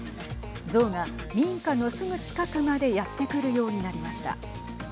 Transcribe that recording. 象が民家のすぐ近くまでやって来るようになりました。